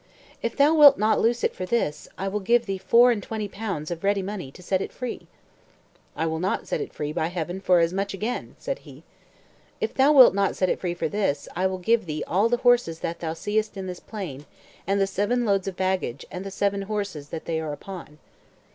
"If thou wilt not loose it for this, I will give thee four and twenty pounds of ready money to set it free." "I will not set it free, by Heaven, for as much again," said he. "If thou wilt not set it free for this, I will give thee all the horses that thou seest in this plain, and the seven loads of baggage, and the seven horses that they are upon."